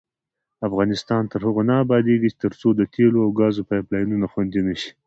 افغانستان تر هغو نه ابادیږي، ترڅو د تیلو او ګازو پایپ لاینونه خوندي نشي.